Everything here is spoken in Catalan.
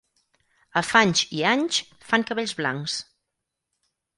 Afanys i anys fan cabells blancs.